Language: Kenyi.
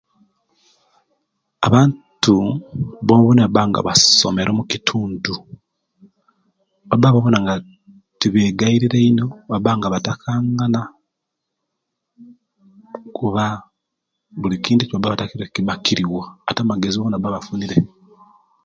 Abantu bonabona owebaba nga basomere mukitundu baba bonabona nga tibegayirira eino, babanga batakangana kuba buli kintu kibaba nga batakire kkiba kiriwo ate amagezi bonabona baba bafunire